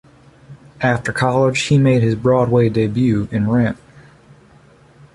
After college, he made his Broadway debut in Rent.